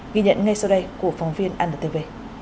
ghi nhận ngay sau đây của phóng viên anntv